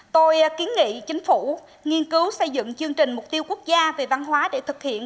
tôi kiến nghị chính phủ nghiên cứu xây dựng chương trình mục tiêu quốc gia về văn hóa để thực hiện